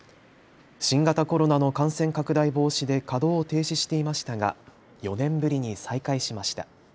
新型コロナの感染拡大防止で稼働を停止ししていましたが４年ぶりに再開しました。